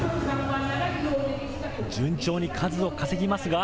順調に数を稼ぎますが。